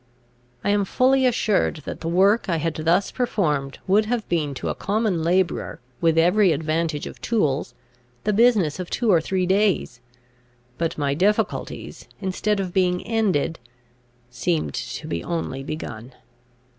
I am fully assured that the work I had thus performed would have been to a common labourer, with every advantage of tools, the business of two or three days. But my difficulties, instead of being ended, seemed to be only begun.